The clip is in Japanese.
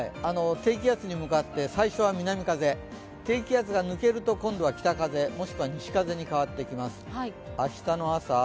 低気圧に向かって最初は南風、低気圧が抜けると今度は北風もしくは西風に変わってきます。